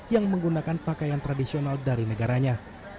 yang menggunakan pakaian tradisional dari negaranya